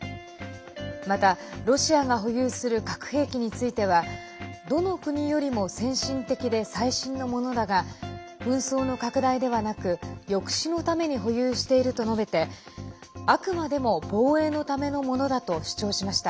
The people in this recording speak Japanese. また、ロシアが保有する核兵器についてはどの国よりも先進的で最新のものだが紛争の拡大ではなく抑止のために保有していると述べてあくまでも防衛のためのものだと主張しました。